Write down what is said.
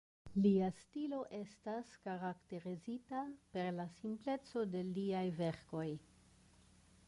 Lia stilo estas karakterizita per la simpleco de liaj verkoj.